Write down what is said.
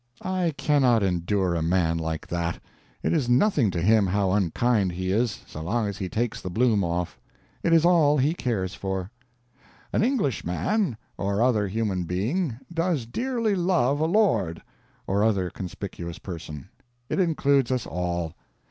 I cannot endure a man like that. It is nothing to him how unkind he is, so long as he takes the bloom off. It is all he cares for. "An Englishman (or other human being) does dearly love a lord," (or other conspicuous person.) It includes us all.